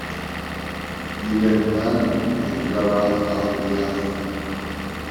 Yal agmam yemgerrad ɣef wiyaḍ.